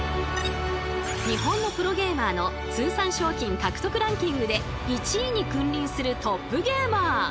日本のプロゲーマーの通算賞金獲得ランキングで１位に君臨するトップゲーマー！